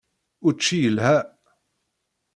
Učči yelha.